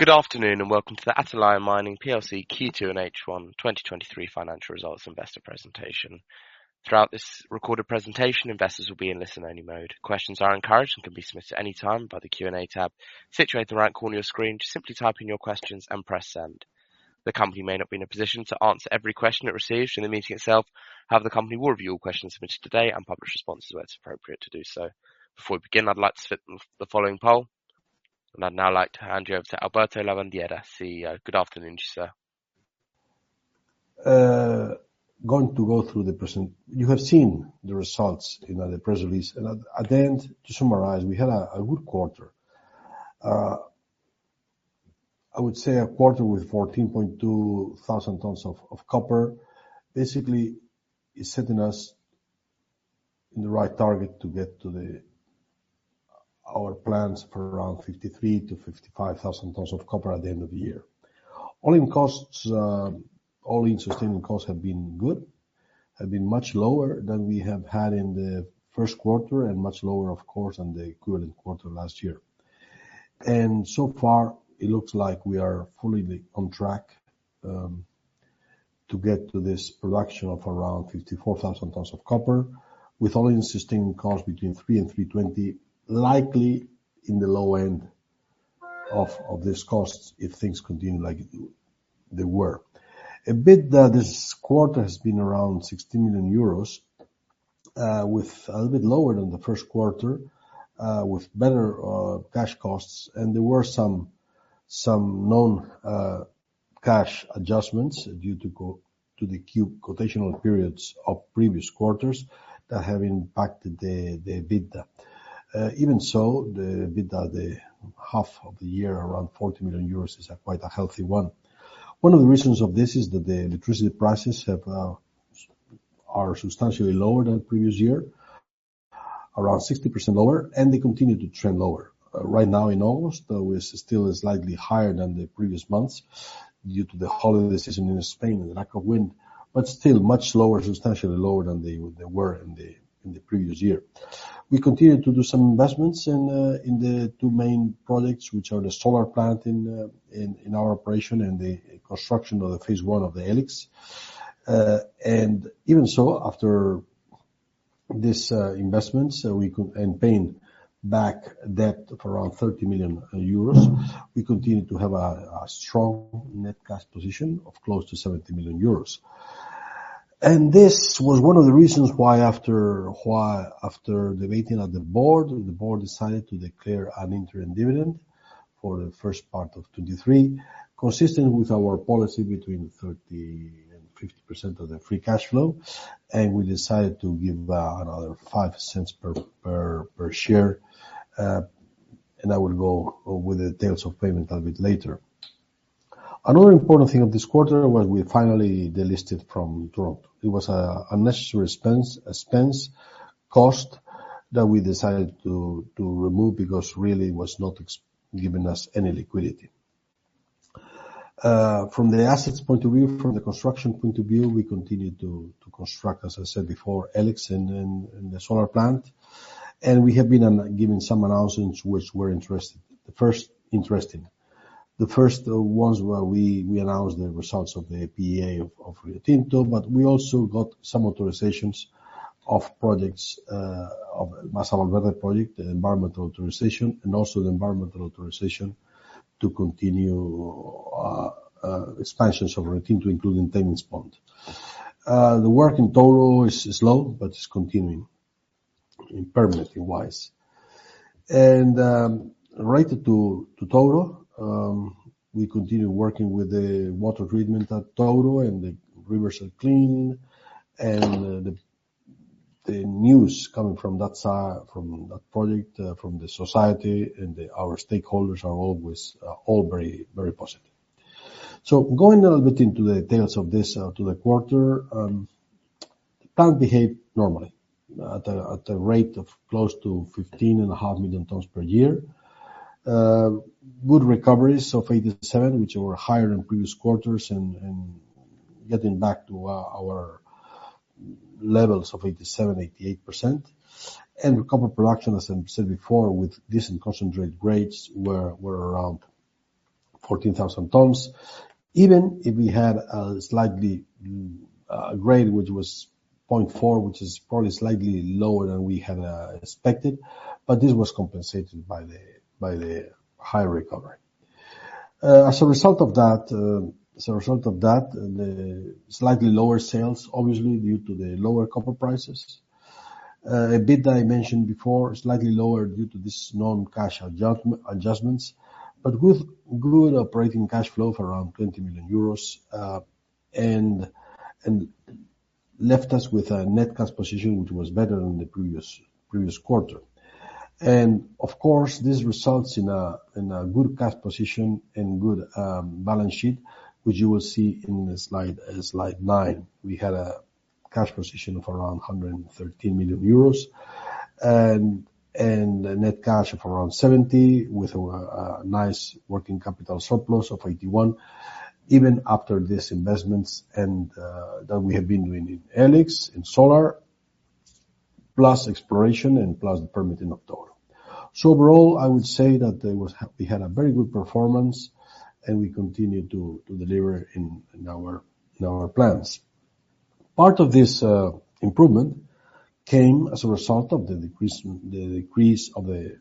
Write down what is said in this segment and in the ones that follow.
Good afternoon, and welcome to the Atalaya Mining Plc Q2 and H1 2023 financial results investor presentation. Throughout this recorded presentation, investors will be in listen-only mode. Questions are encouraged and can be submitted at any time by the Q&A tab situated in the right corner of your screen. Just simply type in your questions and press Send. The company may not be in a position to answer every question it receives during the meeting itself. The company will review all questions submitted today and publish responses where it's appropriate to do so. Before we begin, I'd like to submit the following poll. I'd now like to hand you over to Alberto Lavandeira, CEO. Good afternoon to you, sir. Going to go through the present. You have seen the results in the press release. At the end, to summarize, we had a good quarter. I would say a quarter with 14,200 tons of copper. Basically, it's setting us in the right target to get to our plans for around 53,000-55,000 tons of copper at the end of the year. All-in costs, All-in sustaining costs have been good. Have been much lower than we have had in the first quarter, and much lower, of course, than the equivalent quarter last year. So far, it looks like we are fully on track to get to this production of around 54,000 tons of copper, with All-in sustaining costs between 3 and 3.20, likely in the low end of these costs, if things continue like they were. EBITDA this quarter has been around 60 million euros, with a little bit lower than the first quarter, with better cash costs, and there were some known cash adjustments due to go to the QP quotational periods of previous quarters that have impacted the EBITDA. Even so, the EBITDA, the half of the year, around 40 million euros, is quite a healthy one. One of the reasons of this is that the electricity prices have substantially lower than previous year, around 60% lower, and they continue to trend lower. Right now in August, though, is still slightly higher than the previous months due to the holiday season in Spain and the lack of wind, but still much lower, substantially lower than they, they were in the, in the previous year. We continued to do some investments in, in the 2 main projects, which are the solar plant in, in our operation and the construction of the phase 1 of the E-LIX. Even so, after this, investment, so we could and paying back debt of around 30 million euros, we continue to have a strong net cash position of close to 70 million euros. This was one of the reasons why after the meeting at the board, the board decided to declare an interim dividend for the first part of 2023, consistent with our policy between 30% and 50% of the free cash flow, and we decided to give another 0.05 per share, and I will go over the details of payment a little bit later. Another important thing of this quarter was we finally delisted from Toronto. It was a unnecessary expense cost that we decided to, to remove because really it was not giving us any liquidity. From the assets point of view, from the construction point of view, we continued to, to construct, as I said before, E-LIX and the solar plant, and we have been giving some announcements, which were interesting. The first interesting. The first ones were we, we announced the results of the APA of, of Rio Tinto. We also got some authorizations of projects, of Masa Valverde project, the environmental authorization, and also the environmental authorization to continue expansions of Rio Tinto, including Tenements Pond. The work in Touro is slow, it's continuing, permitting-wise. Related to, to Touro, we continue working with the water treatment at Touro, and the rivers are clean, and the news coming from that side, from that project, from the society and our stakeholders are always all very, very positive. Going a little bit into the details of this to the quarter, plant behaved normally at a, at a rate of close to 15.5 million tons per year. Good recoveries of 87%, which were higher than previous quarters and getting back to our levels of 87%-88%. Copper production, as I said before, with decent concentrate grades, were around 14,000 tons. Even if we had a slightly grade, which was 0.4, which is probably slightly lower than we had expected, but this was compensated by the high recovery. As a result of that, the slightly lower sales, obviously, due to the lower copper prices. EBITDA I mentioned before, slightly lower due to this non-cash adjustments, but good operating cash flow of around 20 million euros and left us with a net cash position, which was better than the previous quarter. Of course, this results in a good cash position and good balance sheet, which you will see in the slide, slide 9. We had a cash position of around 113 million euros and a net cash of around 70 million, with a nice working capital surplus of 81 million, even after these investments that we have been doing in E-LIX, in solar, plus exploration and plus the permit in October. Overall, I would say that we had a very good performance, and we continue to deliver in our plans. Part of this improvement came as a result of the decrease, the decrease of the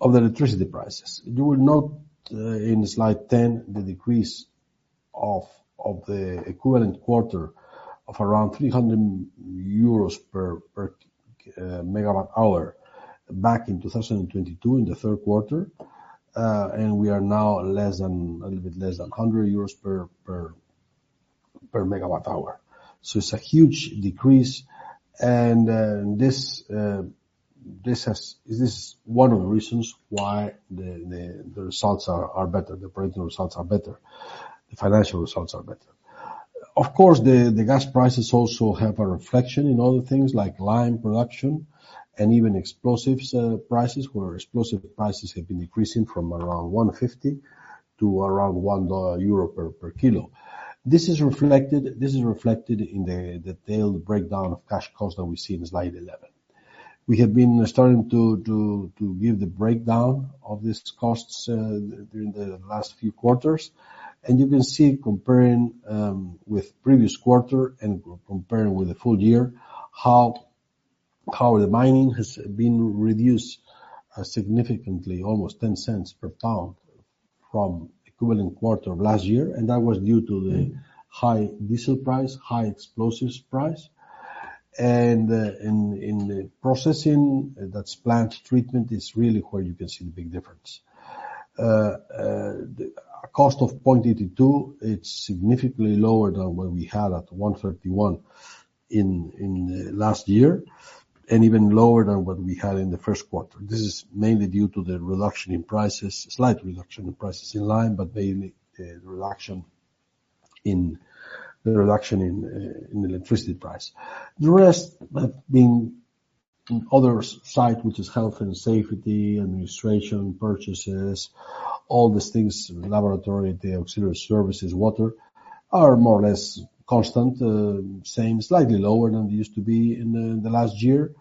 electricity prices. You will note, in slide 10, the decrease of the equivalent quarter of around 300 euros per megawatt hour back in 2022, in the third quarter. We are now a little bit less than 100 euros per megawatt hour. It's a huge decrease. This is one of the reasons why the results are better, the operating results are better, the financial results are better. Of course, the gas prices also have a reflection in other things like lime production and even explosives prices, where explosive prices have been decreasing from around 150 to around 1 euro per kilo. This is reflected in the detailed breakdown of cash costs that we see in slide 11. We have been starting to give the breakdown of these costs, during the last few quarters, and you can see, comparing, with previous quarter and comparing with the full year, how the mining has been reduced, significantly, almost 10 cents per pound from equivalent quarter of last year, and that was due to the high diesel price, high explosives price. In the processing, that's plant treatment, is really where you can see the big difference. The cost of 0.82, it's significantly lower than what we had at 1.31 in the last year, and even lower than what we had in the first quarter. This is mainly due to the reduction in prices, slight reduction in prices in lime, but mainly, the reduction in the electricity price. The rest have been other site, which is health and safety, administration, purchases, all these things, laboratory, the auxiliary services, water, are more or less constant, same, slightly lower than they used to be in the last year.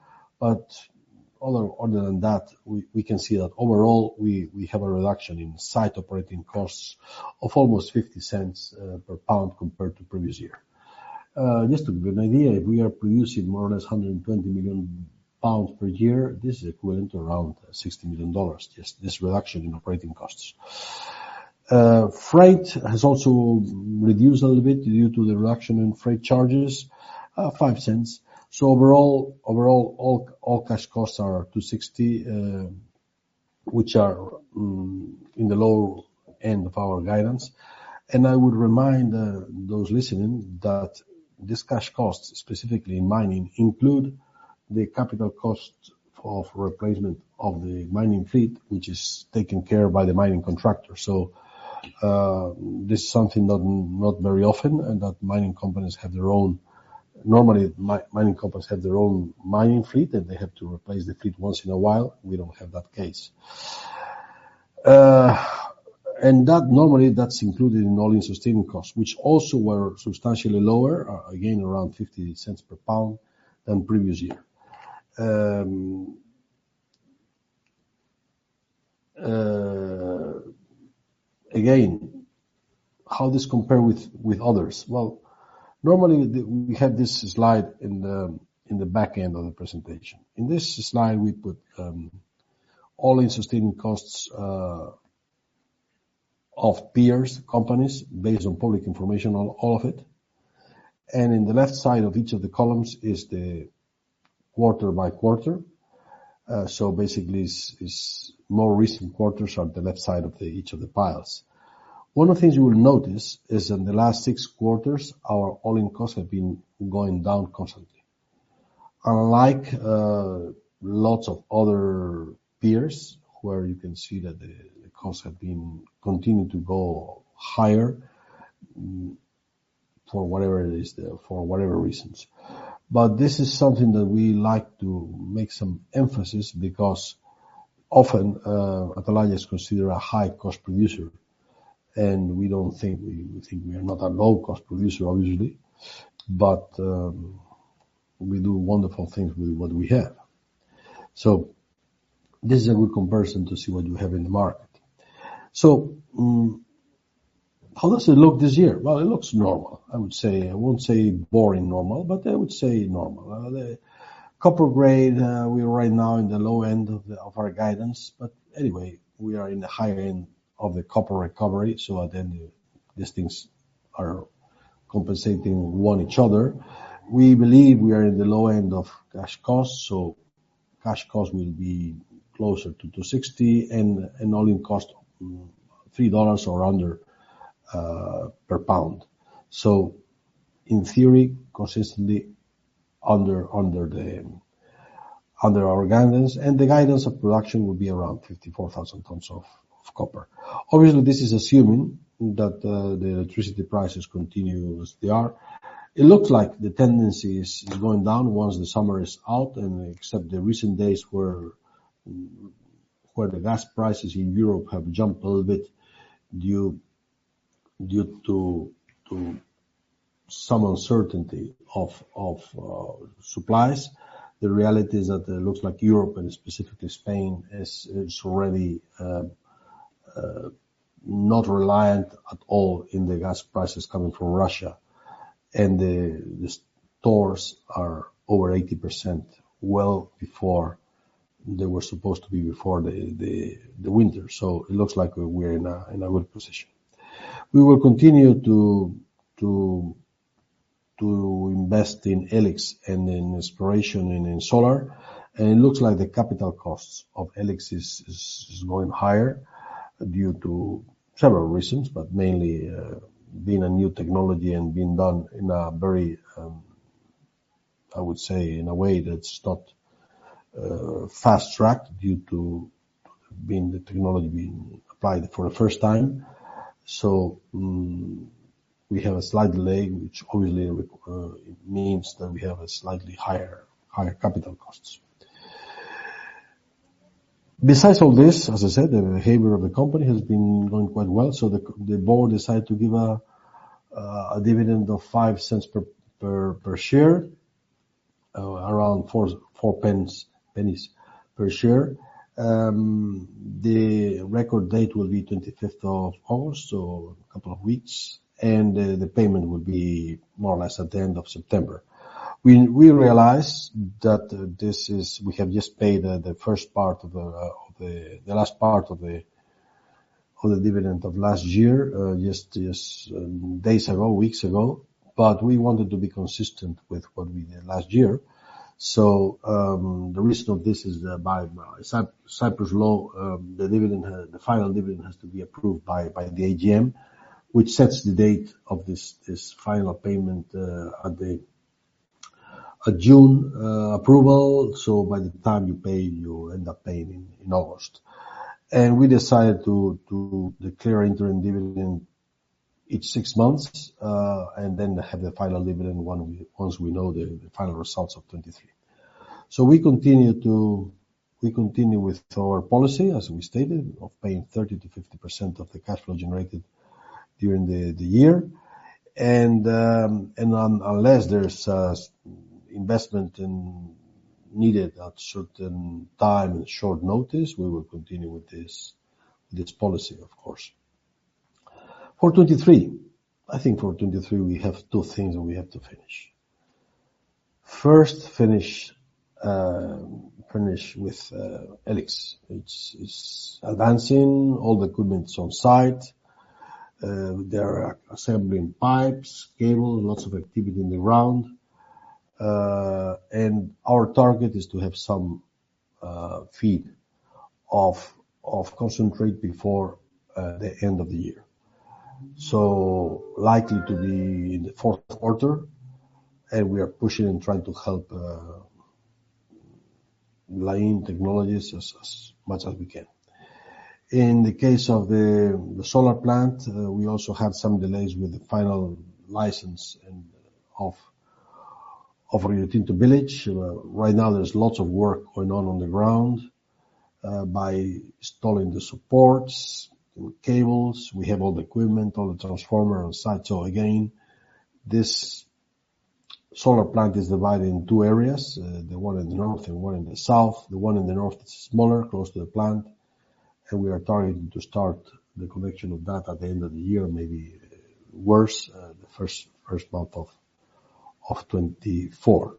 Other, other than that, we, we can see that overall, we, we have a reduction in site operating costs of almost $0.50 per pound compared to previous year. Just to give you an idea, we are producing more or less 120 million pounds per year. This is equivalent to around $60 million, just this reduction in operating costs. Freight has also reduced a little bit due to the reduction in freight charges, $0.05. Overall, overall, all, all cash costs are $2.60, which are in the low end of our guidance. I would remind those listening, that these cash costs, specifically in mining, include the capital cost of replacement of the mining fleet, which is taken care of by the mining contractor. This is something that not very often, and that mining companies have their own. Normally, mining companies have their own mining fleet, and they have to replace the fleet once in a while. We don't have that case. That normally, that's included in All-in sustaining costs, which also were substantially lower, again, around $0.50 per pound than previous year. Again, how this compare with others? Well, normally, we have this slide in the back end of the presentation. In this slide, we put All-in sustaining costs of peers, companies, based on public information on all of it. In the left side of each of the columns is the quarter by quarter. So basically, more recent quarters are on the left side of each of the piles. One of the things you will notice is in the last 6 quarters, our all-in costs have been going down constantly. Unlike lots of other peers, where you can see that costs have been continuing to go higher, for whatever it is, for whatever reasons. This is something that we like to make some emphasis, because often, Atalaya is considered a high-cost producer, and we don't think we are not a low-cost producer, obviously, but we do wonderful things with what we have. This is a good comparison to see what you have in the market. How does it look this year? Well, it looks normal, I would say. I won't say boring normal, but I would say normal. The copper grade, we're right now in the low end of the, of our guidance, but anyway, we are in the high end of the copper recovery, so at the end, these things are compensating one each other. We believe we are in the low end of cash costs. Cash cost will be closer to $2.60 and all-in cost, $3 or under, per pound. In theory, consistently under, under the, under our guidance, and the guidance of production will be around 54,000 tons of copper. Obviously, this is assuming that the electricity prices continue as they are. It looks like the tendency is going down once the summer is out, except the recent days where, where the gas prices in Europe have jumped a little bit due to, to some uncertainty of, of supplies, the reality is that it looks like Europe, and specifically Spain, is, is already not reliant at all in the gas prices coming from Russia, and the, the stores are over 80% well before they were supposed to be before the, the, the winter. It looks like we're in a, in a good position. We will continue to, to, to invest in E-LIX and in exploration and in solar. It looks like the capital costs of E-LIX is going higher due to several reasons, but mainly, being a new technology and being done in a very, I would say, in a way that's not fast-tracked due to being the technology being applied for the first time. We have a slight delay, which obviously, it means that we have a slightly higher, higher capital costs. Besides all this, as I said, the behavior of the company has been going quite well, so the board decided to give a dividend of 0.05 per share, around 4 pence per share. The record date will be 25th of August, so a couple of weeks, and the payment will be more or less at the end of September. We, we realize that, this is. We have just paid, the first part of the, of the- the last part of the, of the dividend of last year, just, just, days ago, weeks ago. We wanted to be consistent with what we did last year. The reason of this is that by Cyprus law, the dividend, the final dividend has to be approved by, by the AGM, which sets the date of this, this final payment, at the June approval. By the time you pay, you end up paying in, in August. We decided to, to declare interim dividend each 6 months, and then have the final dividend once we, once we know the, the final results of 2023. We continue to. We continue with our policy, as we stated, of paying 30%-50% of the cash flow generated during the, the year. Unless there's investment in needed at certain time and short notice, we will continue with this, with this policy, of course. For 2023, I think for 2023, we have two things that we have to finish. First, finish with E-LIX. It's advancing. All the equipment is on site. They are assembling pipes, cable, lots of activity in the ground. Our target is to have some feed of concentrate before the end of the year. So likely to be in the Q4, and we are pushing and trying to Lain Technologies as much as we can. In the case of the, the solar plant, we also have some delays with the final license and of, of Rio Tinto Village. Right now, there's lots of work going on on the ground, by installing the supports, the cables. We have all the equipment, all the transformer on site. Again, this solar plant is divided in two areas, the one in the north and one in the south. The one in the north is smaller, close to the plant, and we are targeting to start the connection of that at the end of the year, maybe worse, the first, first month of, of 2024.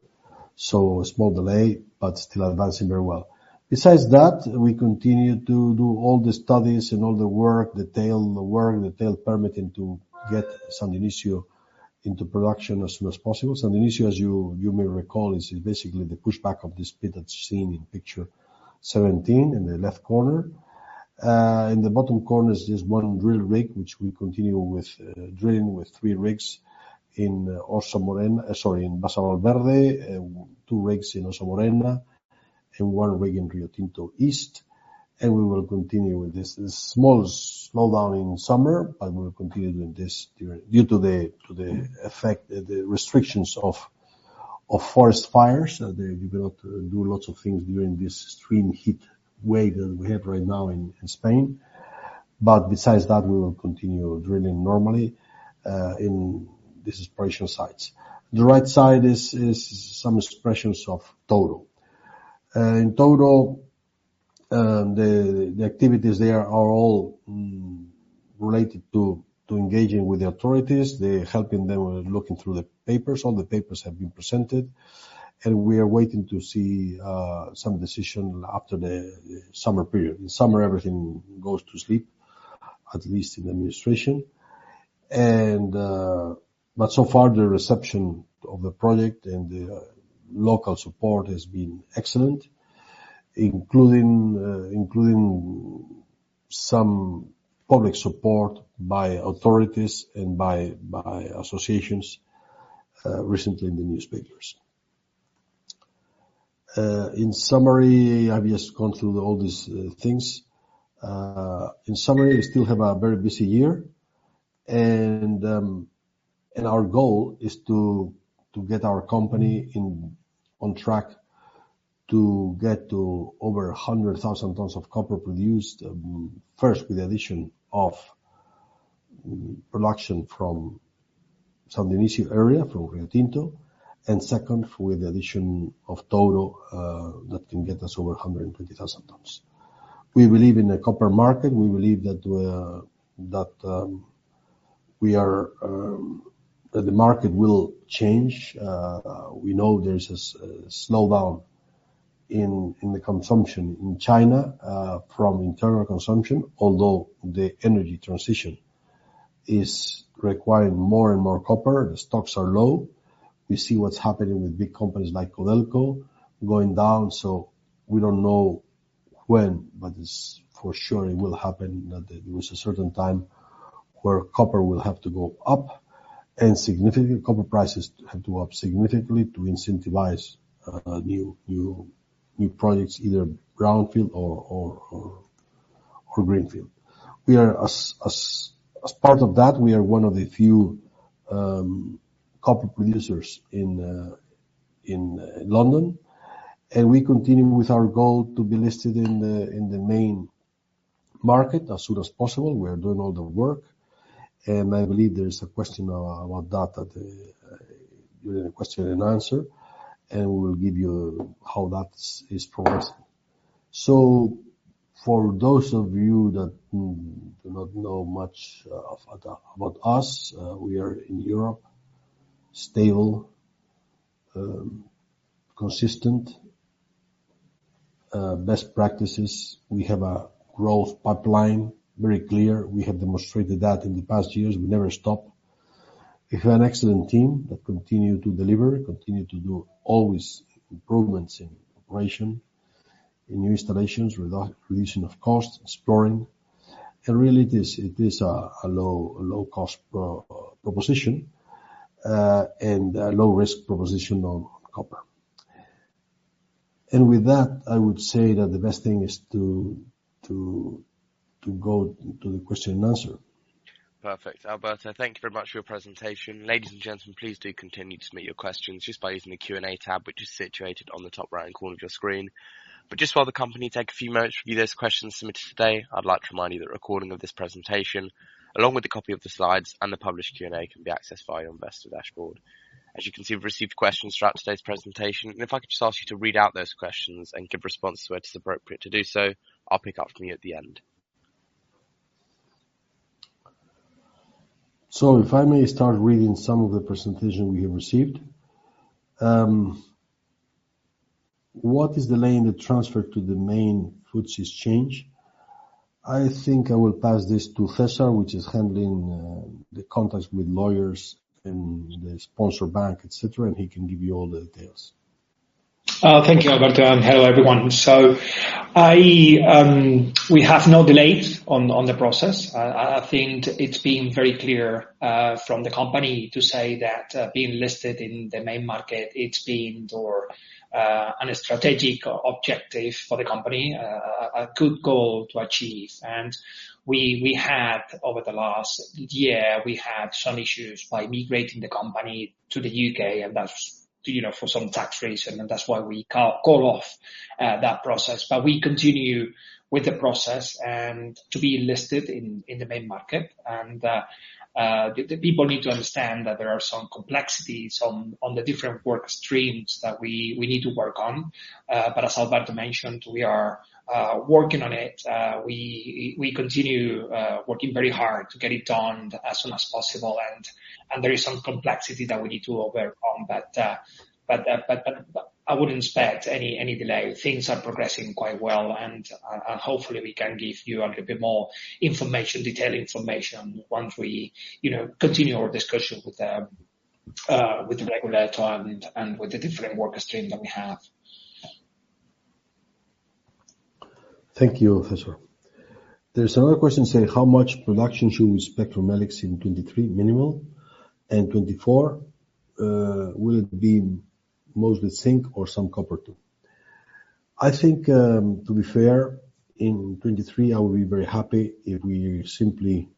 A small delay, but still advancing very well. Besides that, we continue to do all the studies and all the work, detail the work, detail permitting, to get San Ignacio into production as soon as possible. San Ignacio, as you, you may recall, is, is basically the pushback of this pit that's seen in picture 17, in the left corner. In the bottom corner is just 1 drill rig, which we continue with, drilling with 3 rigs in Ossa Morena. Sorry, in Masa Valverde, 2 rigs in Ossa Morena and 1 rig in Rio Tinto East, and we will continue with this. A small slowdown in summer, but we will continue doing this due to the, to the effect, the, the restrictions of, of forest fires. They cannot do lots of things during this extreme heat wave that we have right now in, in Spain. Besides that, we will continue drilling normally, in the exploration sites. The right side is, is some expressions of Touro. In Touro, the activities there are all related to engaging with the authorities. They're helping them with looking through the papers. All the papers have been presented, we are waiting to see some decision after the summer period. In summer, everything goes to sleep, at least in administration. So far, the reception of the project and the local support has been excellent, including including some public support by authorities and by associations recently in the newspapers. In summary, I've just gone through all these things. In summary, we still have a very busy year, our goal is to get our company in, on track- to get to over 100,000 tons of copper produced, first, with the addition of production from some initial area from Rio Tinto, and second, with the addition of Touro, that can get us over 120,000 tons. We believe in the copper market. We believe that, that we are that the market will change. We know there's a slowdown in the consumption in China, from internal consumption, although the energy transition is requiring more and more copper, the stocks are low. We see what's happening with big companies like Codelco going down, so we don't know when, but it's for sure it will happen, that there is a certain time where copper will have to go up, and significantly copper prices have to go up significantly to incentivize, new, new, new projects, either brownfield or, or, or, or greenfield. We are as, as, as part of that, we are one of the few, copper producers in, in London, and we continue with our goal to be listed in the, in the main market as soon as possible. We are doing all the work, and I believe there's a question about that at the, during the question and answer, and we will give you how that's is progressing. For those of you that do not know much of about us, we are in Europe, stable, consistent, best practices. We have a growth pipeline, very clear. We have demonstrated that in the past years. We never stop. We have an excellent team that continue to deliver, continue to do always improvements in operation, in new installations, reduction of cost, exploring. Really, it is, it is a, a low, low-cost proposition and a low risk proposition on copper. With that, I would say that the best thing is to go to the question and answer. Perfect. Alberto, thank you very much for your presentation. Ladies and gentlemen, please do continue to submit your questions just by using the Q&A tab, which is situated on the top right-hand corner of your screen. Just while the company take a few minutes to review those questions submitted today, I'd like to remind you that a recording of this presentation, along with a copy of the slides and the published Q&A, can be accessed via your investor dashboard. As you can see, we've received questions throughout today's presentation, and if I could just ask you to read out those questions and give response to where it is appropriate to do so. I'll pick up from you at the end. If I may start reading some of the presentation we have received. What is delaying the transfer to the main FTSE exchange? I think I will pass this to Cesar, which is handling the contacts with lawyers and the sponsor bank, et cetera, and he can give you all the details. Thank you, Alberto, and hello, everyone. I, we have no delays on, on the process. I, I think it's been very clear from the company to say that being listed in the main market, it's been or on a strategic objective for the company, a good goal to achieve. We, we had over the last year, we had some issues by migrating the company to the UK, and that's, you know, for some tax reason, and that's why we ca- call off that process. We continue with the process and to be listed in, in the main market. The people need to understand that there are some complexities on, on the different work streams that we, we need to work on. As Alberto mentioned, we are working on it. g very hard to get it done as soon as possible, and there is some complexity that we need to work on, but I wouldn't expect any delay. Things are progressing quite well, and hopefully, we can give you a little bit more information, detailed information, once we, you know, continue our discussion with the regulator and with the different work stream that we have. Thank you, Cesar. There's another question saying: How much production should we expect from E-LIX in 2023 minimal, and 2024, will it be mostly zinc or some copper, too? I think, to be fair, in 2023, I will be very happy if we simply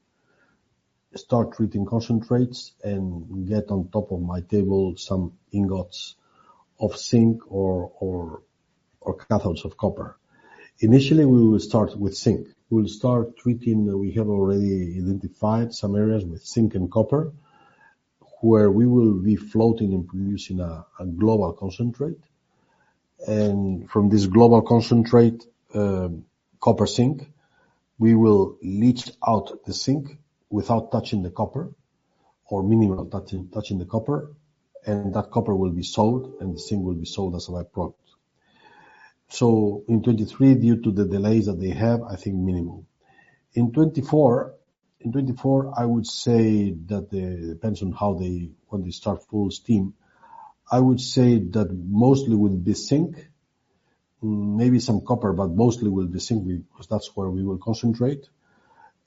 start treating concentrates and get on top of my table some ingots of zinc or cathodes of copper. Initially, we will start with zinc. We'll start treating, we have already identified some areas with zinc and copper, where we will be floating and producing a global concentrate. From this global concentrate, copper zinc, we will leach out the zinc without touching the copper or minimal touching the copper, and that copper will be sold, and the zinc will be sold as a by-product. In 2023, due to the delays that they have, I think minimal. In 2024, in 2024, I would say that depends on how they, when they start full steam. I would say that mostly will be zinc, maybe some copper, but mostly will be zinc, because that's where we will concentrate.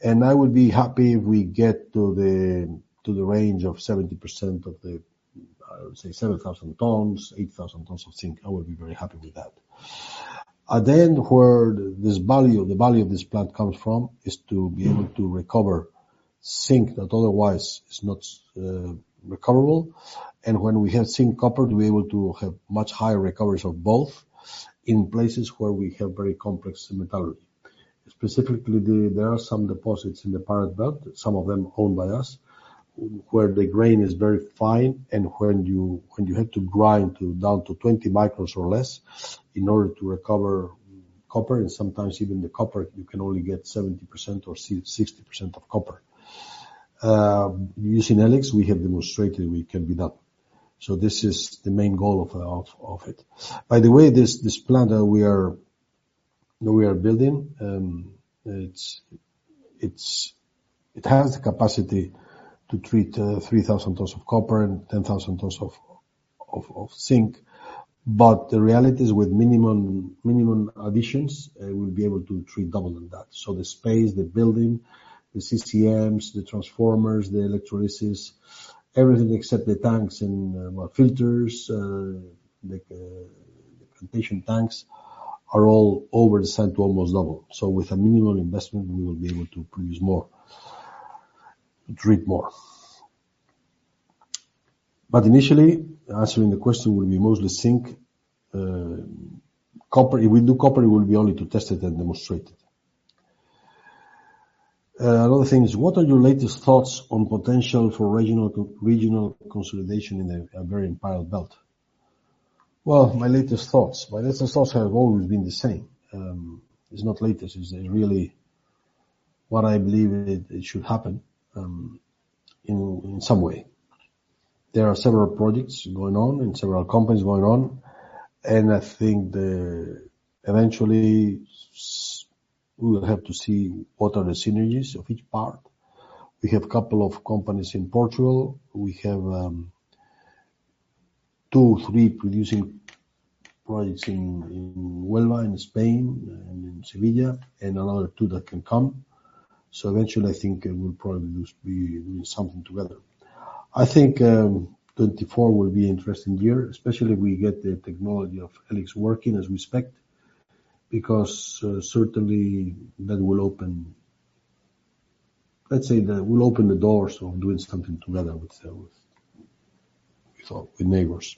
I would be happy if we get to the, to the range of 70% of the, say, 7,000 tons, 8,000 tons of zinc. I would be very happy with that. At the end, where this value, the value of this plant comes from, is to be able to recover zinc that otherwise is not recoverable. When we have zinc, copper, we're able to have much higher recoveries of both in places where we have very complex metallurgy. Specifically, the there are some deposits in the Iberian Pyrite Belt, some of them owned by us, where the grain is very fine, and when you, when you have to grind to down to 20 micros or less in order to recover copper, and sometimes even the copper, you can only get 70% or si- 60% of copper. Using E-LIX, we have demonstrated it can be done. This is the main goal of, of it. By the way, this, this plant that we are, we are building, it's, it's it has the capacity to treat, 3,000 tons of copper and 10,000 tons of, of, of zinc. The reality is with minimum, minimum additions, we'll be able to treat double than that. The space, the building, the CCMs, the transformers, the electrolysis, everything except the tanks and, well, filters, like the plantation tanks, are all oversized to almost double. With a minimal investment, we will be able to produce more, treat more. Initially, answering the question will be mostly zinc, copper. If we do copper, it will be only to test it and demonstrate it. Another thing is, what are your latest thoughts on potential for regional consolidation in a very Iberian Pyrite Belt? Well, my latest thoughts. My latest thoughts have always been the same. It's not latest, it's really what I believe it should happen in some way. There are several projects going on and several companies going on. I think eventually, we will have to see what are the synergies of each part. We have a couple of companies in Portugal. We have 2 or 3 producing projects in Huelva, in Spain and in Sevilla, another 2 that can come. Eventually, I think it will probably just be doing something together. I think 2024 will be interesting year, especially if we get the technology of E-LIX working as we expect, because certainly that will open. Let's say that will open the doors on doing something together, with neighbors.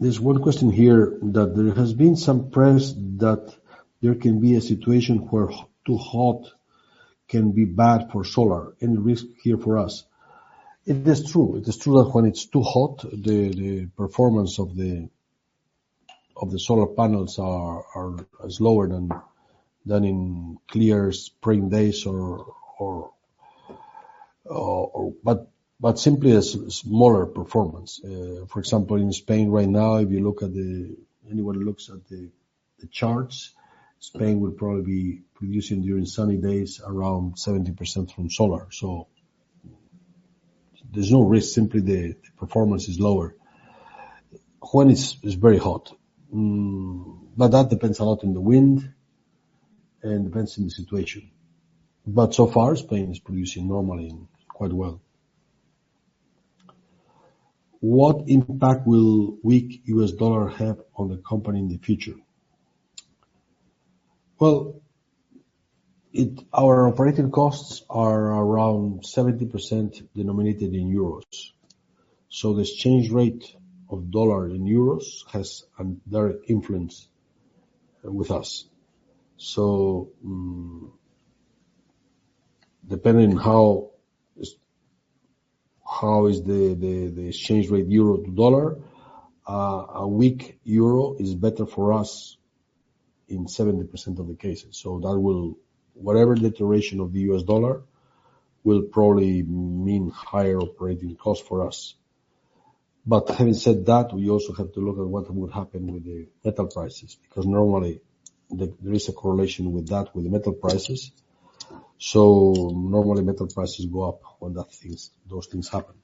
There's one question here, that there has been some press that there can be a situation where too hot can be bad for solar. Any risk here for us? It is true. It is true that when it's too hot, the performance of the solar panels is lower than in clear spring days or. Simply a smaller performance. For example, in Spain right now, if you look at the anyone looks at the charts, Spain will probably be producing during sunny days, around 70% from solar. There's no risk, simply the performance is lower when it's very hot. That depends a lot on the wind and depends on the situation. So far, Spain is producing normally and quite well. What impact will weak US dollar have on the company in the future? Well, it. Our operating costs are around 70% denominated in euros. The exchange rate of dollar in euros has a direct influence with us. Depending on how is, how is the, the, the exchange rate euro to dollar, a weak euro is better for us in 70% of the cases. That will, whatever the iteration of the US dollar, will probably mean higher operating costs for us. Having said that, we also have to look at what would happen with the metal prices, because normally, there is a correlation with that, with the metal prices. Normally, metal prices go up when those things happen.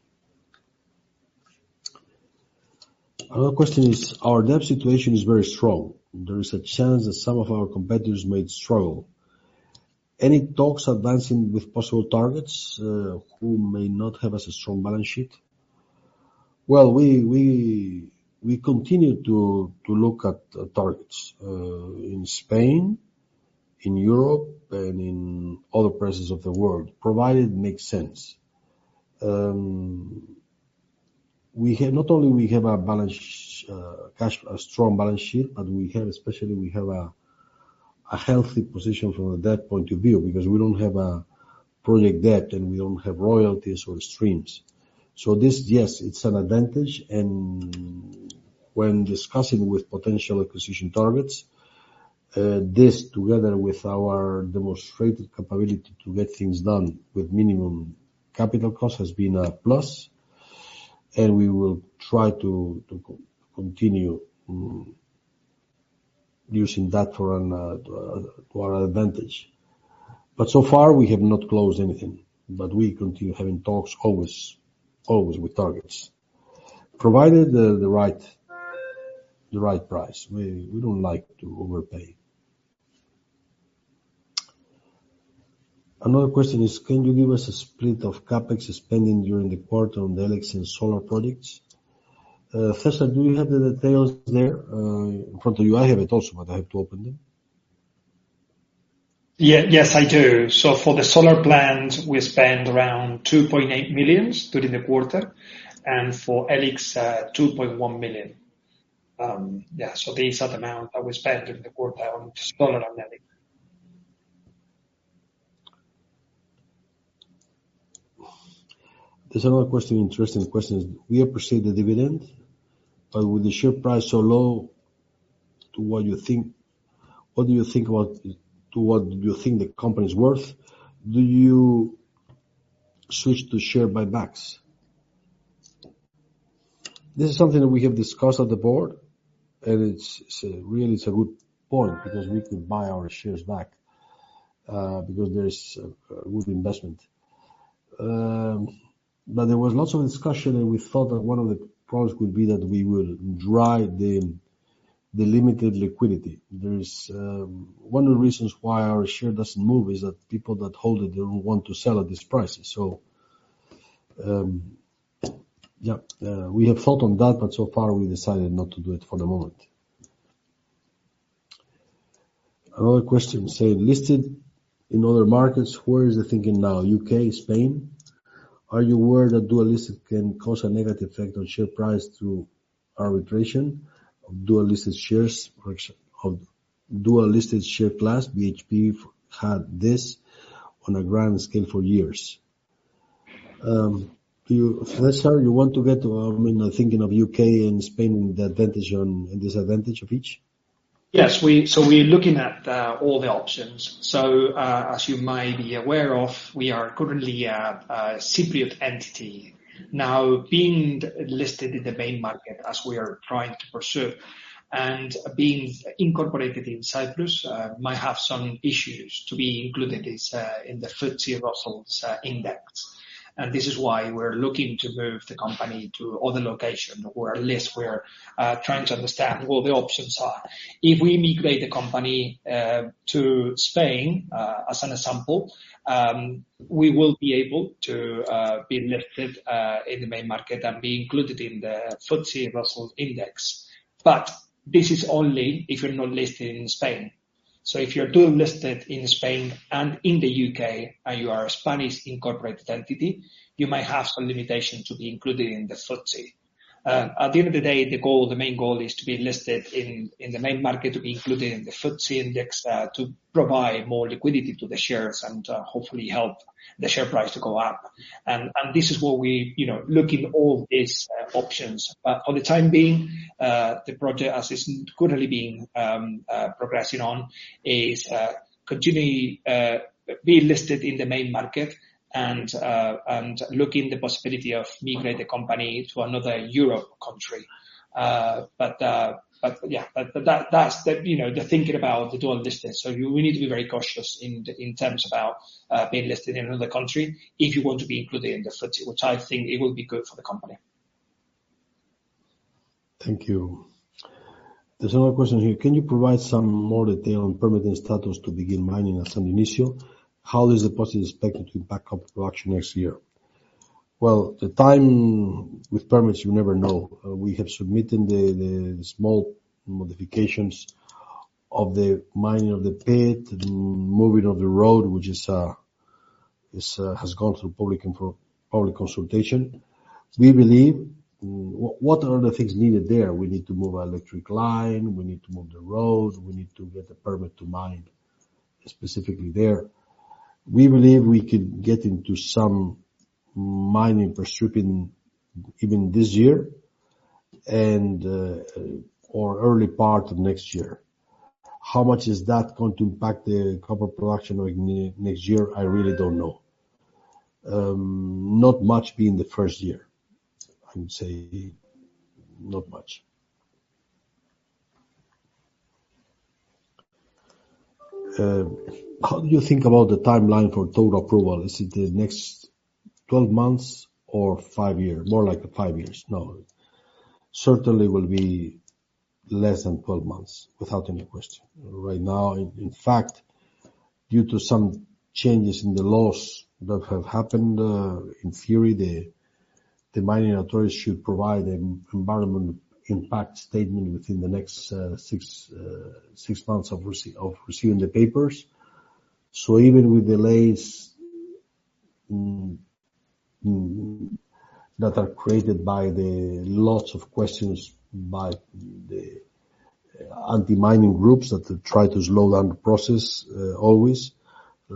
Another question is, our debt situation is very strong. There is a chance that some of our competitors may struggle. Any talks advancing with possible targets, who may not have as a strong balance sheet? Well, we, we, we continue to, to look at targets in Spain, in Europe, and in other places of the world, provided it makes sense. We have not only we have a balance, cash, a strong balance sheet, we have especially, we have a healthy position from a debt point of view, because we don't have a project debt, and we don't have royalties or streams. This, yes, it's an advantage, and when discussing with potential acquisition targets, this, together with our demonstrated capability to get things done with minimum capital cost, has been a plus, and we will try to, to continue using that for an to our advantage. So far, we have not closed anything, but we continue having talks always, always with targets. Provided the, the right, the right price. We, we don't like to overpay. Another question is, can you give us a split of CapEx spending during the quarter on the E-LIX and solar projects? Cesar, do you have the details there, in front of you? I have it also, but I have to open them. Yes, I do. For the solar plant, we spent around 2.8 million during the quarter, and for E-LIX, 2.1 million. These are the amount that we spent during the quarter on solar and E-LIX. There's another question, interesting question: We appreciate the dividend, but with the share price so low to what you think, what do you think about, to what do you think the company is worth? Do you switch to share buybacks? This is something that we have discussed on the board, and it's, it's a really, it's a good point, because we could buy our shares back, because there's good investment. There was lots of discussion, and we thought that one of the pros would be that we will drive the limited liquidity. There is. One of the reasons why our share doesn't move is that people that hold it don't want to sell at this price. Yeah, we have thought on that, but so far we decided not to do it for the moment. Another question say, listed in other markets, where is the thinking now? UK, Spain. Are you worried that dual listed can cause a negative effect on share price through arbitration of dual listed shares or of dual listed share class? BHP had this on a grand scale for years. Do you, Cesar, you want to get to, you know, thinking of UK and Spain, the advantage and disadvantage of each? Yes, we're looking at all the options. As you might be aware of, we are currently a Cypriot entity now being listed in the main market as we are trying to pursue. Being incorporated in Cyprus might have some issues to be included in this, in the FTSE Russell Index. This is why we're looking to move the company to other location, where at least we're trying to understand what the options are. If we migrate the company to Spain, as an example, we will be able to be listed in the main market and be included in the FTSE Russell Index. This is only if you're not listed in Spain. If you're dual listed in Spain and in the UK, and you are a Spanish incorporated entity, you might have some limitations to be included in the FTSE. At the end of the day, the goal, the main goal is to be listed in, in the main market, to be included in the FTSE Index, to provide more liquidity to the shares and, hopefully help the share price to go up. This is what we, you know, looking all these, options. For the time being, the project, as is currently being, progressing on, is, continuing, be listed in the main market and, looking the possibility of migrating the company to another Europe country. But yeah, but, but that, that's the, you know, the thinking about the dual listing. You really need to be very cautious in the, in terms about being listed in another country, if you want to be included in the FTSE, which I think it will be good for the company. Thank you. There's another question here: Can you provide some more detail on permitting status to begin mining at San Ignacio? How is the process expected to back up the production next year? Well, the time with permits, you never know. We have submitted the, the small modifications of the mining of the pit, the moving of the road, which is, is, has gone through public consultation. We believe, what are the things needed there? We need to move electric line, we need to move the road, we need to get a permit to mine, specifically there. We believe we could get into some mining for stripping even this year and, or early part of next year. How much is that going to impact the copper production of next year? I really don't know. Not much being the first year. I would say, not much. How do you think about the timeline for total approval? Is it the next 12 months or 5 years? More like 5 years. No. Certainly will be less than 12 months, without any question. Right now, in fact, due to some changes in the laws that have happened, in theory, the mining authority should provide an environment impact statement within the next 6 months of receiving the papers. Even with delays that are created by the lots of questions by the anti-mining groups that try to slow down the process, always.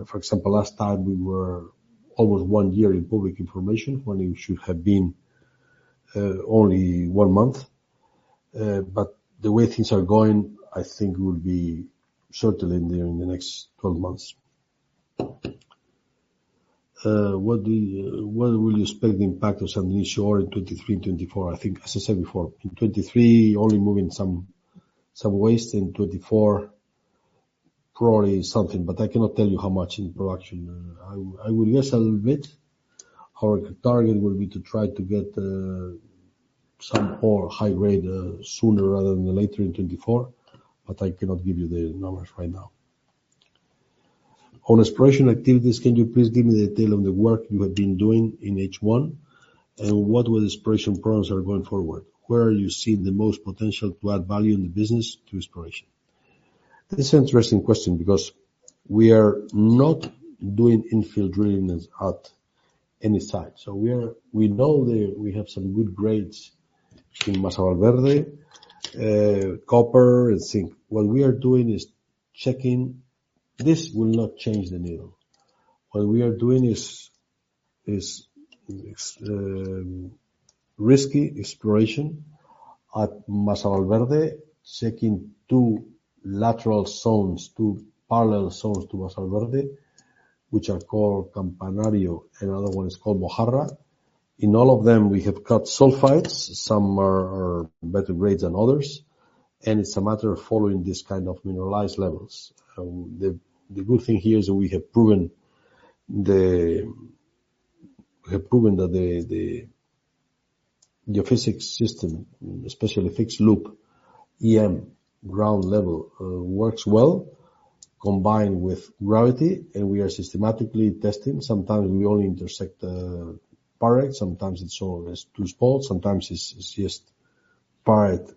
For example, last time we were over 1 year in public information, when it should have been only 1 month. The way things are going, I think we'll be certainly there in the next 12 months. What will you expect the impact of San Ignacio in 23, 24? I think, as I said before, in 23, only moving some, some waste. In 24, probably something, but I cannot tell you how much in production. I will guess a little bit. Our target will be to try to get some more high grade sooner rather than later in 24, but I cannot give you the numbers right now. On exploration activities, can you please give me the detail of the work you have been doing in H1? What will the exploration programs are going forward? Where are you seeing the most potential to add value in the business to exploration? That's an interesting question because we are not doing infill drilling at any site. We have some good grades in Masa Valverde, copper and zinc. What we are doing is checking. This will not change the needle. What we are doing is risky exploration at Masa Valverde, checking two lateral zones, two parallel zones to Masa Valverde, which are called Campanario, another one is called Mojarra. In all of them, we have got sulfides. Some are, are better grades than others, and it's a matter of following these kind of mineralized levels. The, the good thing here is that we have proven that we have proven that the, the geophysics system, especially Fixed Loop EM ground level, works well, combined with gravity, and we are systematically testing. Sometimes we only intersect pyrite, sometimes it's all as two spots, sometimes it's just pyrite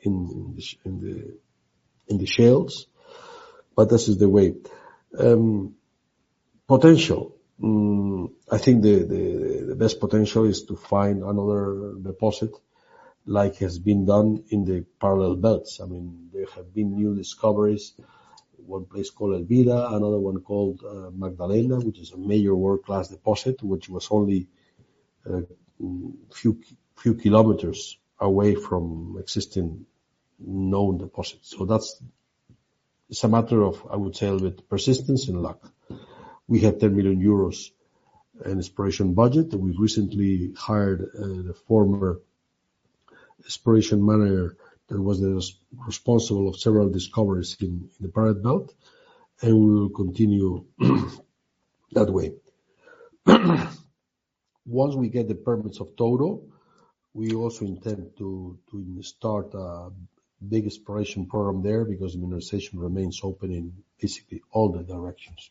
in the, in the, in the shales, but this is the way. Potential. I think the, the, the best potential is to find another deposit like has been done in the parallel belts. I mean, there have been new discoveries. One place called Elvida, another one called Magdalena, which is a major world-class deposit, which was only few, few kilometers away from existing known deposits. It's a matter of, I would say, a little bit persistence and luck. We have 10 million euros in exploration budget, and we've recently hired the former exploration manager that was responsible of several discoveries in the Iberian Pyrite Belt, and we will continue, that way. Once we get the permits of Touro, we also intend to start a big exploration program there, because mineralization remains open in basically all the directions.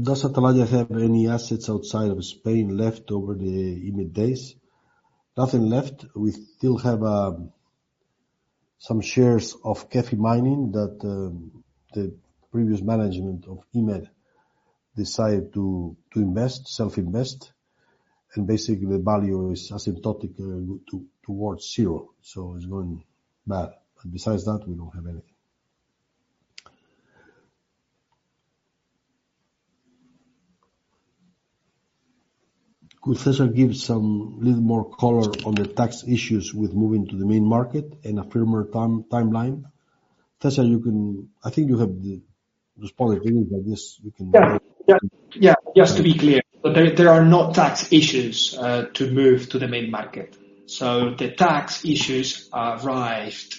Does Atalaya have any assets outside of Spain left over the EMED days? Nothing left. We still have some shares of Kefi Mining that the previous management of EMED decided to invest, self-invest, and basically the value is asymptotically towards zero, so it's going bad. Besides that, we don't have anything. Could Cesar give some little more color on the tax issues with moving to the main market and a firmer timeline? Cesar, I think you have the responded, but I guess you can. Yeah. Yeah. Yeah, just to be clear, there, there are not tax issues to move to the main market. The tax issues arrived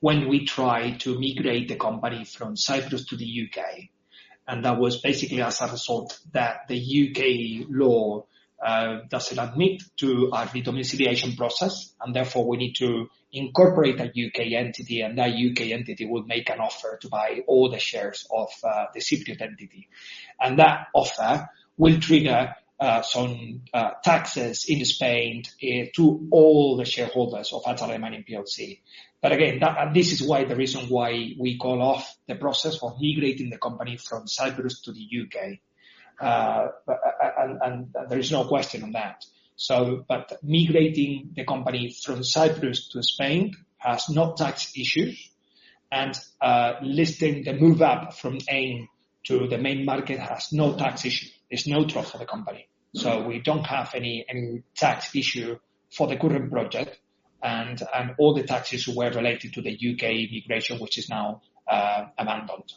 when we tried to migrate the company from Cyprus to the UK. That was basically as a result that the UK law doesn't admit to our domiciliation process, and therefore, we need to incorporate a UK entity, and that UK entity would make an offer to buy all the shares of the Cypriot entity. That offer will trigger some taxes in Spain to all the shareholders of Atalaya Mining PLC. Again, that. This is why, the reason why we call off the process of migrating the company from Cyprus to the UK. There is no question on that. Migrating the company from Cyprus to Spain has no tax issues, and listing the move up from AIM to the main market has no tax issue. There's no tax for the company. We don't have any tax issue for the current project, and all the taxes were related to the UK migration, which is now abandoned.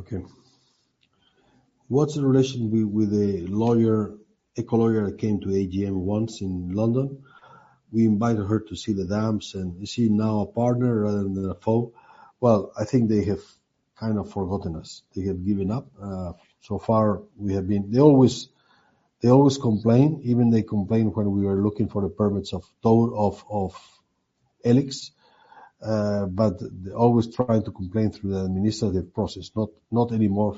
Okay. What's the relationship with, with the lawyer, eco-lawyer that came to AGM once in London? We invited her to see the dams, and is she now a partner rather than a foe? Well, I think they have kind of forgotten us. They have given up. They always, they always complain. Even they complained when we were looking for the permits of Touro, of E-LIX. They always try to complain through the administrative process, not, not anymore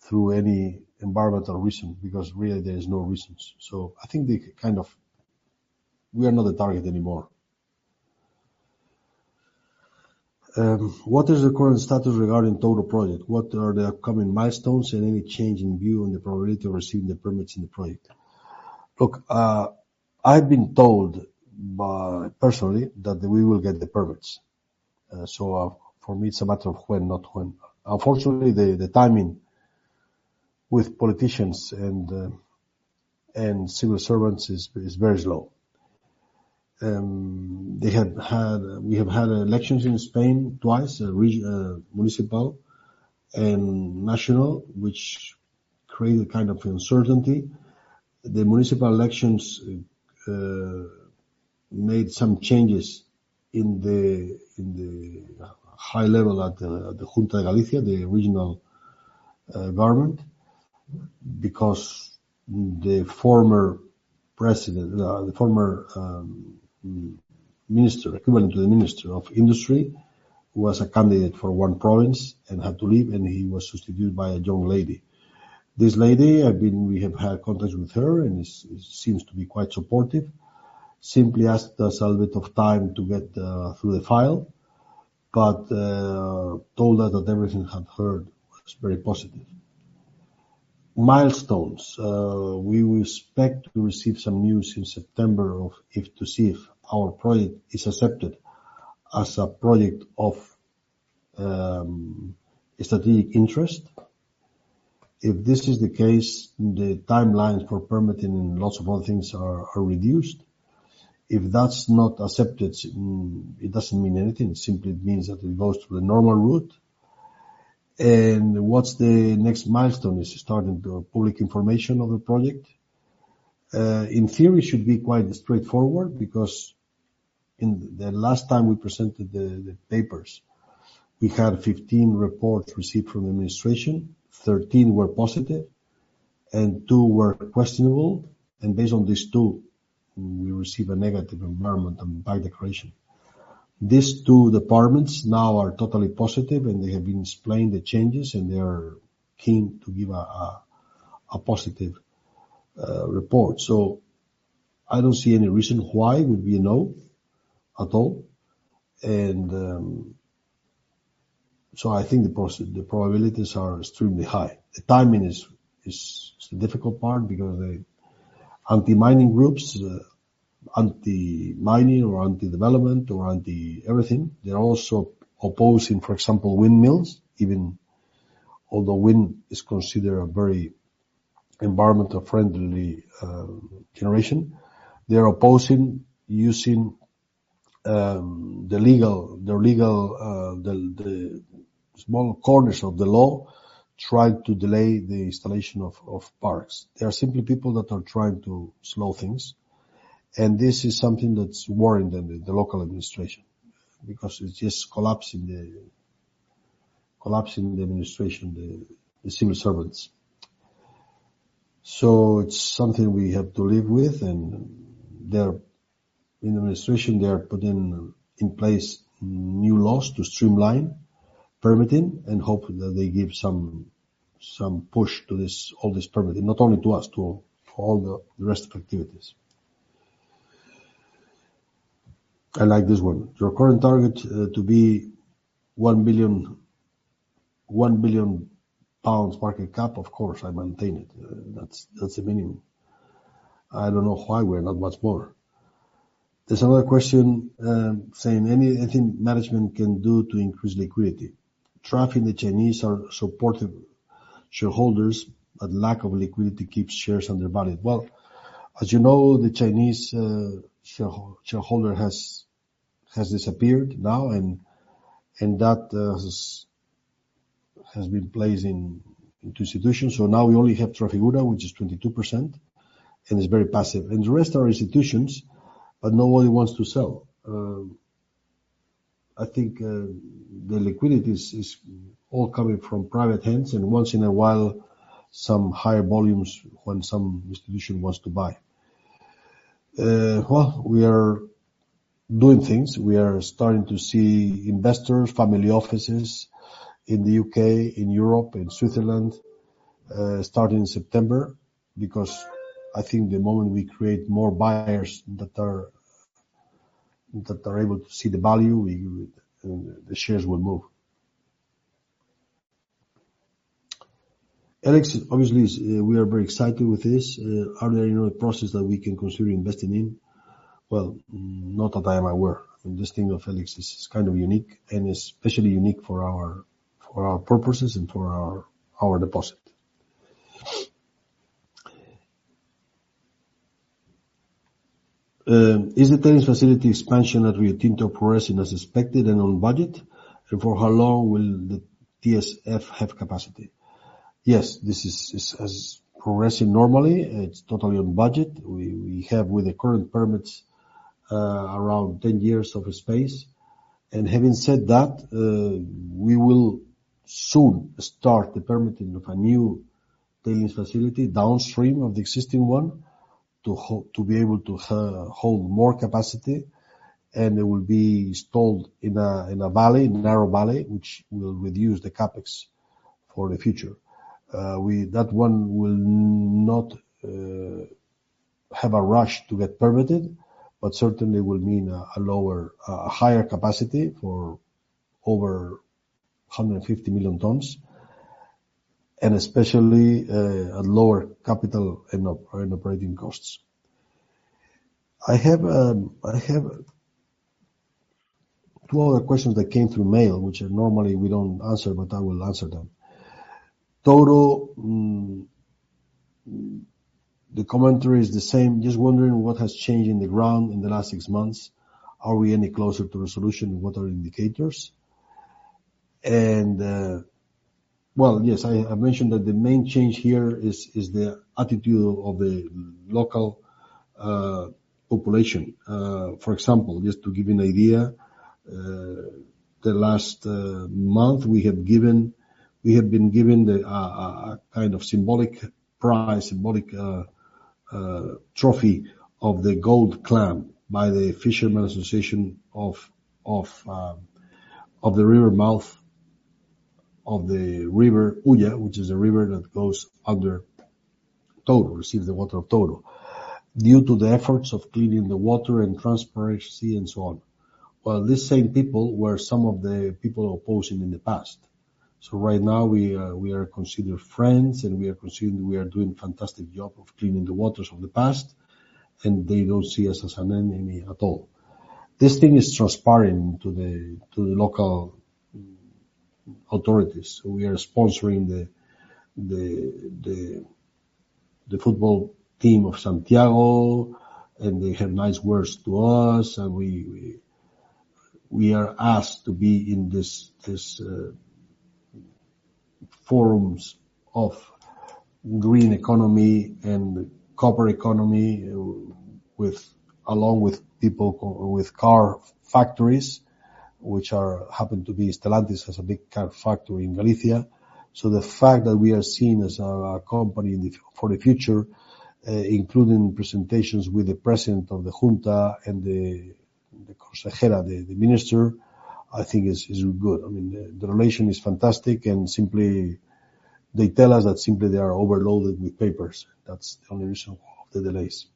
through any environmental reason, because really there is no reasons. I think they kind of. We are not a target anymore. What is the current status regarding Touro project? What are the upcoming milestones and any change in view on the probability of receiving the permits in the project? Look, I've been told by, personally, that we will get the permits. For me, it's a matter of when, not when. Unfortunately, the timing with politicians and civil servants is very slow. We have had elections in Spain twice, municipal and national, which create a kind of uncertainty. The municipal elections made some changes in the high level at the Xunta de Galicia, the regional government, because the former president, the former minister, equivalent to the Minister of Industry, was a candidate for one province and had to leave, and he was substituted by a young lady. This lady, we have had contacts with her, and she, she seems to be quite supportive. Simply asked us a little bit of time to get through the file, told her that everything had heard was very positive. Milestones, we expect to receive some news in September, if to see if our project is accepted as a project of strategic interest. If this is the case, the timelines for permitting and lots of other things are reduced. If that's not accepted, it doesn't mean anything. It simply means that it goes through the normal route. What's the next milestone? Is starting the public information of the project. In theory, should be quite straightforward because in the last time we presented the papers, we had 15 reports received from administration, 13 were positive and 2 were questionable, and based on these 2, we received a negative environment and by declaration. These two departments now are totally positive, and they have been explained the changes, and they are keen to give a, a, a positive report. I don't see any reason why it would be a no, at all. So I think the pros- the probabilities are extremely high. The timing is, is, is the difficult part because the anti-mining groups, anti-mining or anti-development or anti everything, they're also opposing, for example, windmills, even although wind is considered a very environmental friendly generation. They're opposing using the legal, the legal, the, the small corners of the law, trying to delay the installation of, of parks. They are simply people that are trying to slow things, and this is something that's worrying them, the local administration, because it's just collapsing the, collapsing the administration, the, the civil servants. It's something we have to live with, and in the administration, they are putting in place new laws to streamline permitting and hoping that they give some push to this, all this permitting, not only to us, to all the rest of activities. I like this one. Your current target to be 1 million pounds market cap? Of course, I maintain it. That's the minimum. I don't know why we're not much more. There's another question saying: Anything management can do to increase liquidity? Trafigura, the Chinese are supportive shareholders, but lack of liquidity keeps shares undervalued. Well, as you know, the Chinese shareholder has disappeared now, and that has been placed into institutions. Now we only have Trafigura, which is 22%, and it's very passive. The rest are institutions, but nobody wants to sell. I think the liquidity is, is all coming from private hands, and once in a while, some higher volumes when some institution wants to buy. Well, we are doing things. We are starting to see investors, family offices in the U.K., in Europe, in Switzerland, starting in September, because I think the moment we create more buyers that are, that are able to see the value, we- the shares will move. E-LIX, obviously, is, we are very excited with this. Are there any other processes that we can consider investing in? Well, not that I am aware. This thing of E-LIX is kind of unique and especially unique for our, for our purposes and for our, our deposit. Is the tails facility expansion that we intend to progressing as expected and on budget? For how long will the TSF have capacity? Yes, this is as progressing normally, it's totally on budget. We have, with the current permits, around 10 years of space. Having said that, we will soon start the permitting of a new tails facility, downstream of the existing one, to be able to hold more capacity, and it will be installed in a valley, in a narrow valley, which will reduce the CapEx for the future. That one will not have a rush to get permitted, but certainly will mean a lower, a higher capacity for over 150 million tons, and especially, a lower capital and operating costs. I have two other questions that came through mail, which are normally we don't answer, but I will answer them. Touro. The commentary is the same. Just wondering what has changed in the ground in the last six months. Are we any closer to a solution, and what are indicators? Well, yes, I mentioned that the main change here is the attitude of the local population. For example, just to give you an idea, the last month, we have been given the a kind of symbolic prize, symbolic trophy of the Gold Clam by the Fishermen Association of the river mouth, of the Río Ulla, which is a river that goes under Touro, receives the water of Touro. Due to the efforts of cleaning the water and transparency and so on. These same people were some of the people opposing in the past. Right now, we are considered friends, and we are considered doing a fantastic job of cleaning the waters of the past, and they don't see us as an enemy at all. This thing is transparent to the local authorities. We are sponsoring the football team of Santiago, and they have nice words to us, and we are asked to be in this forums of green economy and copper economy, with along with people with car factories, which are happen to be Stellantis has a big car factory in Galicia. The fact that we are seen as a company in the for the future, including presentations with the president of the Junta and the minister, I think is good. I mean, the relation is fantastic, and simply, they tell us that simply they are overloaded with papers. That's the only reason of the delays,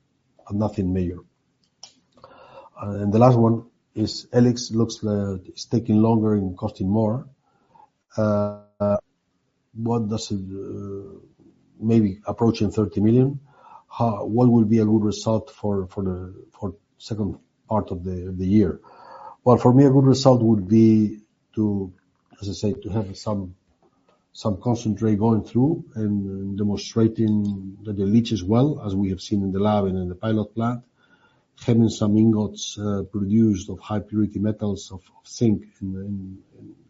and nothing major. The last one is, E-LIX looks like it's taking longer and costing more. What does it, maybe approaching 30 million? What will be a good result for, for the, for second part of the year? Well, for me, a good result would be to, as I say, to have some, some concentrate going through and demonstrating that the leach as well, as we have seen in the lab and in the pilot plant. Having some ingots produced of high purity metals, of zinc and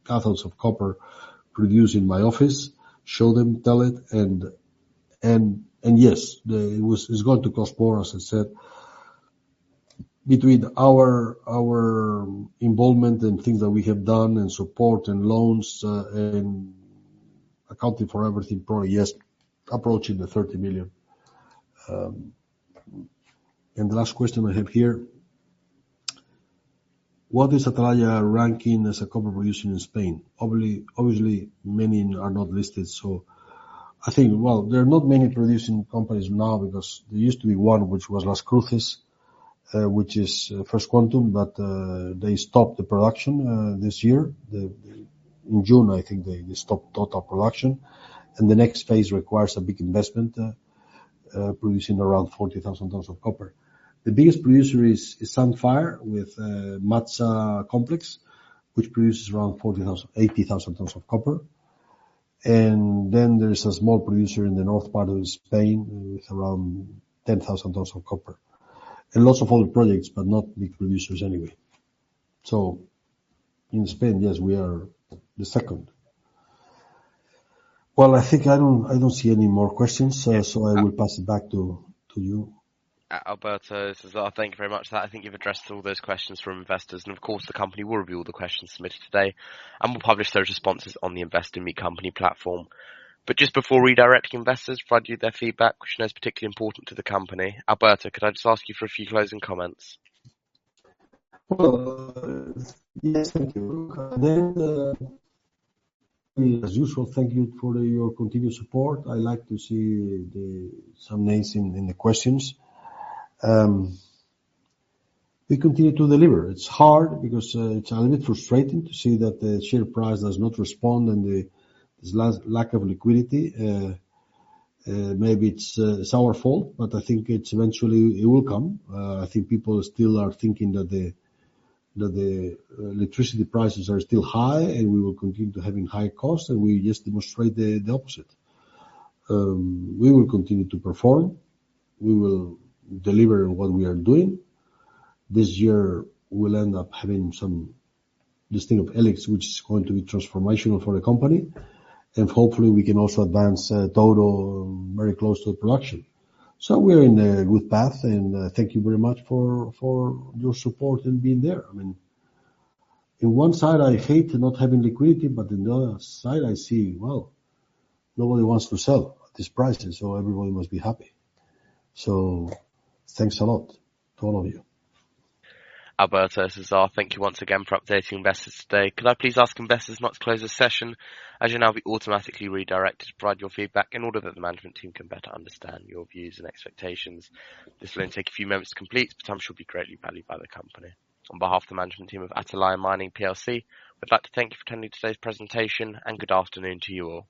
cathodes of copper produced in my office, show them, tell it, and yes, it was, it's going to cost more, as I said. Between our involvement and things that we have done, and support, and loans, and accounting for everything, probably, yes, approaching $30 million. The last question I have here: What is Atalaya ranking as a copper producer in Spain? Obviously, obviously, many are not listed, so I think, well, there are not many producing companies now because there used to be one, which was Las Cruces, which is First Quantum, but they stopped the production this year. The, in June, I think they, they stopped total production. The next phase requires a big investment, producing around 40,000 tons of copper. The biggest producer is Sandfire, with MATSA Mining Complex, which produces around 80,000 tons of copper. Then there is a small producer in the north part of Spain, with around 10,000 tons of copper, and lots of other projects, but not big producers anyway. In Spain, yes, we are the second. Well, I think I don't, I don't see any more questions. I will pass it back to, to you. Alberto, César, thank you very much. I think you've addressed all those questions from investors, of course, the company will review all the questions submitted today and will publish their responses on the Investor Meet Company company platform. Just before redirecting investors to provide you their feedback, which is particularly important to the company, Alberto, could I just ask you for a few closing comments? Well, yes, thank you. As usual, thank you for your continued support. I like to see the some names in, in the questions. We continue to deliver. It's hard because, it's a little bit frustrating to see that the share price does not respond and the, this last lack of liquidity. Maybe it's, it's our fault, but I think it's eventually it will come. I think people still are thinking that the, that the, electricity prices are still high, and we will continue to having high costs, and we just demonstrate the, the opposite. We will continue to perform. We will deliver what we are doing. This year, we'll end up having some, this thing of E-LIX, which is going to be transformational for the company, and hopefully, we can also advance, Touro, very close to the production. We're in a good path, and thank you very much for your support and being there. I mean, in one side, I hate not having liquidity. On the other side, I see, well, nobody wants to sell at this price, so everybody must be happy. Thanks a lot to all of you. Alberto, César, thank you once again for updating investors today. Could I please ask investors not to close this session, as you'll now be automatically redirected to provide your feedback in order that the management team can better understand your views and expectations. This will only take a few moments to complete, but time should be greatly valued by the company. On behalf of the management team of Atalaya Mining Plc, we'd like to thank you for attending today's presentation, and good afternoon to you all.